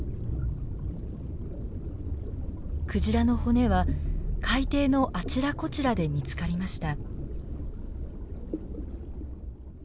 クジラの骨は海底のあちらこちらで見つかりました。